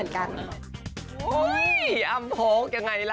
อ้ำโพกยังไงล่ะ